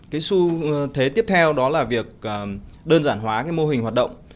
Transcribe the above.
cái xu thế tiếp theo đó là việc đơn giản hóa cái mô hình hoạt động